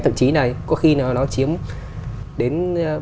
thậm chí là có khi nó chiếm đến ba mươi bốn mươi